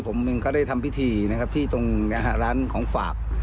ผมเองก็ได้ทำพิธีนะครับที่ตรงร้านของฝาก